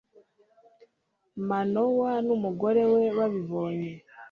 manowa n'umugore we babibonye